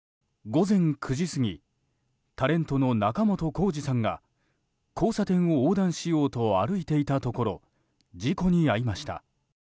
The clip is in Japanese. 午前９時過ぎタレントの仲本工事さんが交差点を横断しようと歩いていたところ事故に遭いました。